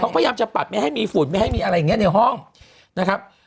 เขาพยายามจะปัดไม่ให้มีฝุ่นไม่ให้มีอะไรอย่างนี้ในห้องนะครับ